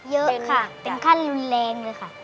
เยอะค่ะเป็นขั้นรุนแรงเลยค่ะ